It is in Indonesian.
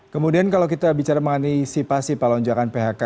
kemudian kalau kita bicara mengantisipasi pak lonjakan phk